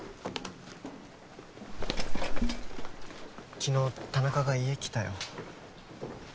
昨日田中が家来たよ